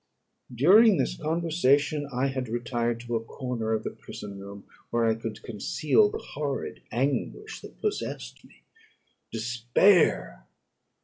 During this conversation I had retired to a corner of the prison room, where I could conceal the horrid anguish that possessed me. Despair!